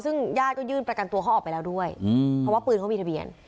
ซึ่งญาติก็ยื่นประกันตัวเขาออกไปแล้วด้วยเพราะว่าปืนเขามีทะเบียน